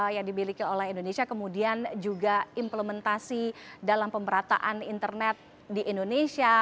yang dimiliki oleh indonesia kemudian juga implementasi dalam pemerataan internet di indonesia